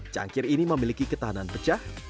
cangkir ini memiliki ketentuan yang lebih tinggi